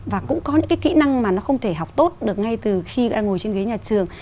và cũng có những cái kỹ năng mà nó không thể học tốt được ngay từ khi ngồi trên ghế nhà trường